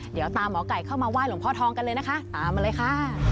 เดี๋ยวตามหมอไก่เข้ามาไห้หลวงพ่อทองกันเลยนะคะตามมาเลยค่ะ